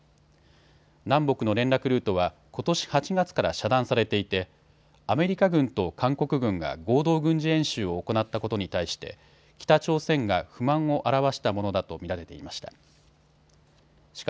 南北の連絡ルートはことし８月から遮断されていてアメリカ軍と韓国軍が合同軍事演習を行ったことに対して北朝鮮が不満を表したものだと見られていました。